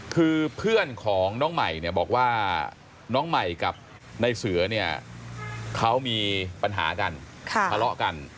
คือเพื่อนของน้องใหม่เนี่ยบอกว่าน้องใหม่กับในเสือเนี่ยเขามีปัญหากันทะเลาะกัน